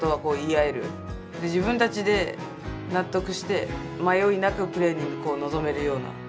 自分たちで納得して迷いなくプレーに臨めるような。